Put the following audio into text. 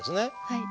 はい。